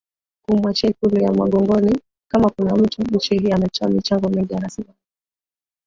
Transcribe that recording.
kumuachia Ikulu ya MagogoniKama kuna mtu nchi hii ametoa michango mingi ya rasilimali